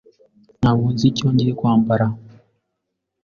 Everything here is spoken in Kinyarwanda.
Ntabwo nzi icyo ngiye kwambara.